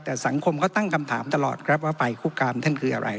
แต่สังคมก็ตั้งคำถามตลอดครับว่าภัยคุกคามท่านคืออะไร